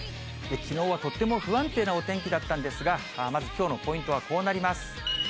きのうはとっても不安定なお天気だったんですが、まずきょうのポイントは、こうなります。